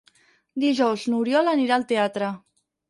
Dijous n'Oriol anirà al teatre.